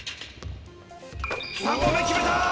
３本目、決めた。